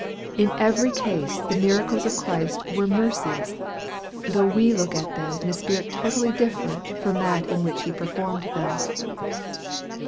In every case the miracles of Christ were mercies, though we look at them in a spirit totally different from that in which he performed them.